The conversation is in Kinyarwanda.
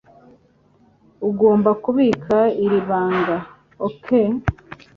Ugomba kubika iri banga, OK?